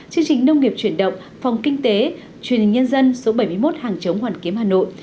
chương trình nông nghiệp chuyển động phòng kinh tế truyền hình nhân dân số bảy mươi một hàng chống hoàn kiếm hà nội